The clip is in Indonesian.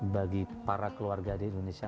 bagi para keluarga di indonesia